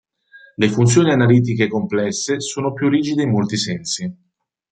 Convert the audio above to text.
Le funzioni analitiche complesse sono più rigide in molti sensi.